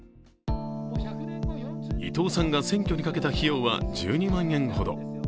伊藤さんが選挙にかけた費用は１２万円ほど。